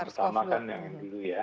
sars cov yang pertama kan yang dulu ya